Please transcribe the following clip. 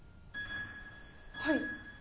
はい。